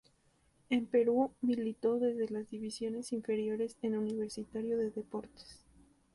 En Perú militó desde las divisiones inferiores en Universitario de Deportes.